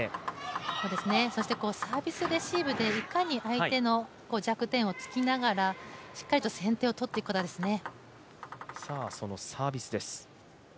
そしてサービスレシーブでいかに相手の弱点をつきながらしっかりと先手を取っていくことですね。